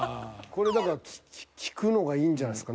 これだから聞くのがいいんじゃないですか？